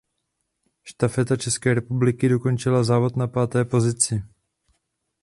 Štafeta České republiky dokončila závod na páté pozici.